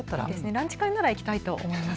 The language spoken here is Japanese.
ランチ会だったら行きたいと思います。